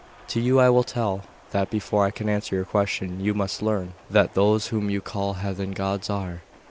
To you I will tell, that before I can answer your question you must learn what those whom you call heathen gods are.